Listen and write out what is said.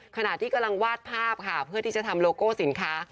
ขณะที่กำลังวาดภาพค่ะเพื่อที่จะทำโลโก้สินค้า